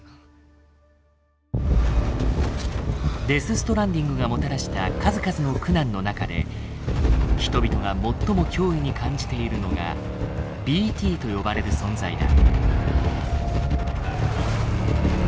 デス・ストランディングがもたらした数々の苦難の中で人々が最も脅威に感じているのが「ＢＴ」と呼ばれる存在だ。